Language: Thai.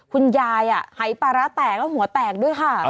คุณยายหายปลาร้าแตกแล้วหัวแตกด้วยค่ะ